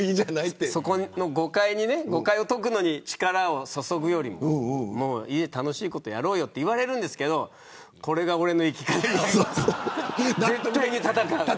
そこの誤解を解くのに力を注ぐよりも家で楽しいことやろうよと言われるんですけどこれが俺の生き方だから絶対に戦う。